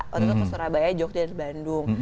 waktu itu ke surabaya jogja dan bandung